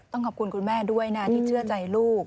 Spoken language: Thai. ขอบคุณคุณแม่ด้วยนะที่เชื่อใจลูก